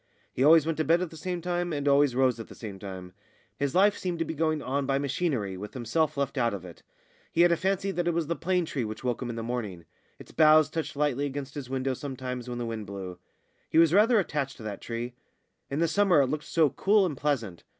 He always went to bed at the same time, and always rose at the same time. His life seemed to be going on by machinery with himself left out of it. He had a fancy that it was the plane tree which woke him in the morning; its boughs touched lightly against his window sometimes when the wind blew. He was rather attached to that tree. In the summer it looked so cool and pleasant.